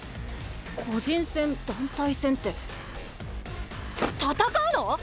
個人戦団体戦って戦うの⁉